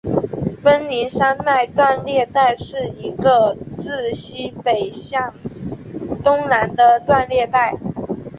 奔宁山脉断裂带是一个自西北向东南的断裂带。